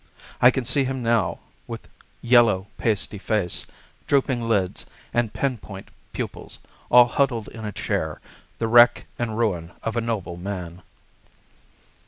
I can see him now, with yellow, pasty face, drooping lids, and pin point pupils, all huddled in a chair, the wreck and ruin of a noble man.